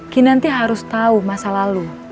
bisa berbicara tentang masa lalu